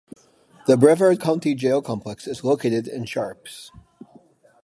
The Brevard County Jail Complex is located in Sharpes.